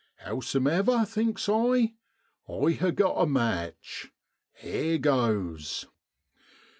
Howsomever, thinks I, I ha' got a match; here goes.